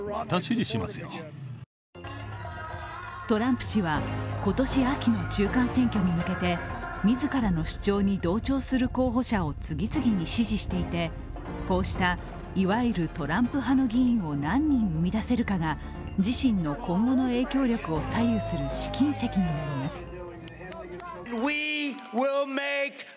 トランプ氏は今年秋の中間選挙に向けて自らの主張に同調する候補者を次々に支持していてこうした、いわゆるトランプ派の議員を何人生み出せるかが自身の今後の影響力を左右する試金石になります。